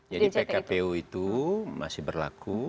jadi pkpu itu masih berlaku